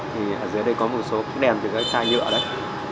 thì ở dưới đây có một số cái đèn từ cái chai nhựa đấy